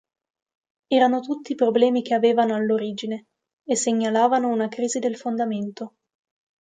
Erano tutti problemi che avevano all’origine e segnalavano una crisi del fondamento.